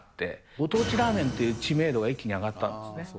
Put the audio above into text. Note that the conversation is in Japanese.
ご当地ラーメンっていう知名度が一気に上がったんですね。